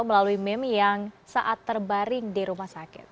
melalui meme yang saat terbaring di rumah sakit